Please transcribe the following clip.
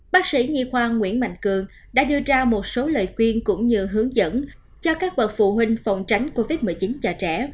bác sĩ nhi khoa nguyễn mạnh cường đã đưa ra một số lời khuyên cũng như hướng dẫn cho các bậc phụ huynh phòng tránh covid một mươi chín cho trẻ